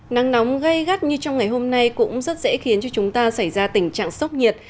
nắng nóng gây gắt như trong ngày hôm nay cũng rất dễ khiến cho chúng ta xảy ra tình trạng sốc nhiệt